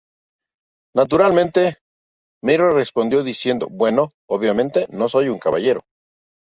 Naturalmente Mary respondió diciendo "Bueno, obviamente no soy un caballero.